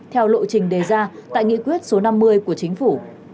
theo lộ trình đề ra tại nghị quyết số năm mươi của chính phủ